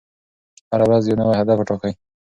هره ورځ یو نوی هدف وټاکئ.